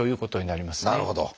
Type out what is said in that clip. なるほど。